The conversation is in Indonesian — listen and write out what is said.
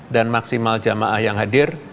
dan maksimal jamaah yang hadir